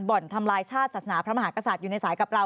ทำลายชาติศาสนาพระมหากษัตริย์อยู่ในสายกับเรา